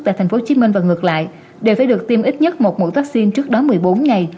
tại tp hcm và ngược lại đều phải được tiêm ít nhất một mũi vaccine trước đó một mươi bốn ngày